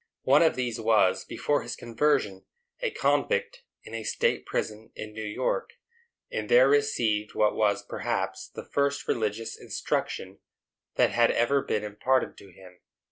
One of these was, before his conversion, a convict in a state prison in New York, and there received what was, perhaps, the first religious instruction that had ever been imparted to him.